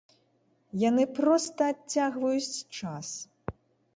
Яны проста адцягваюць час.